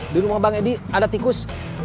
di rumah bang edi ada tikus